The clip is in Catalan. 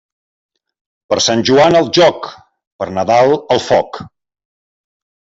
Per Sant Joan al joc, per Nadal al foc.